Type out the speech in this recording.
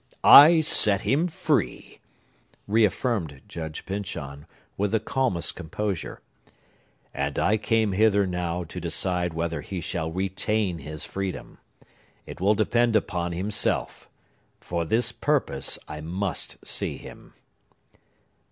"I set him free!" reaffirmed Judge Pyncheon, with the calmest composure. "And I came hither now to decide whether he shall retain his freedom. It will depend upon himself. For this purpose, I must see him."